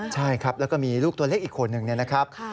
ใช่แล้วก็มีลูกตัวเล็กอีกคนหนึ่งนะครับ